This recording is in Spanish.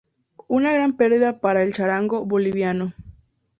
Una gran perdida para el charango Boliviano.